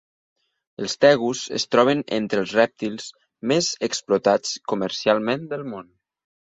Els tegus es troben entre els rèptils més explotats comercialment del món.